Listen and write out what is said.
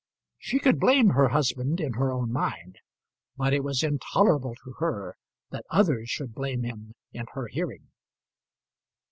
She could blame her husband in her own mind; but it was intolerable to her that others should blame him in her hearing.